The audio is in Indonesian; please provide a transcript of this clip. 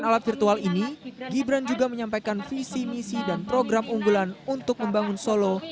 dengan alat virtual ini gibran juga menyampaikan visi misi dan program unggulan untuk membangun solo